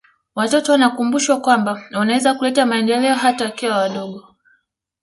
watoto wanakumbushwa kwamba wanaweza kuleta maendeleo hata wakiwa wadogo